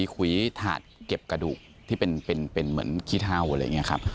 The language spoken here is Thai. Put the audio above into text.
ขุยถาดเก็บกระดูกที่เป็นเหมือนขี้เทาอะไรอย่างนี้ครับ